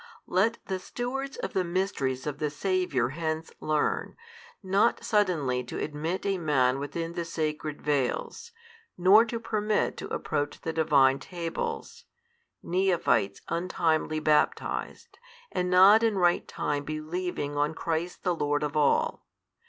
Let the stewards of the Mysteries of the Saviour hence learn, not suddenly to admit a man within the sacred veils, nor to permit to approach the Divine Tables, neophites untimely baptized and not in right time believing on Christ the Lord of all.